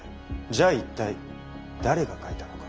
じゃあ一体誰が書いたのか。